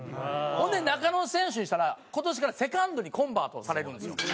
ほんで中野選手にしたら今年からセカンドにコンバートされるんですよ。